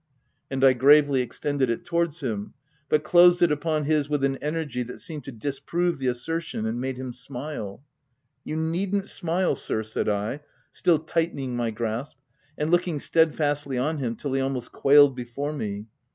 And I gravely extended it towards him — but closed it upon his with an energy that seemed to disprove the assertion, and made him smile. " You needn't smile, sir/' said I, still tightening my grasp, and looking steadfastly on him till he almost quailed before me.